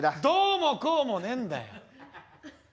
どうもこうもねえんだよ。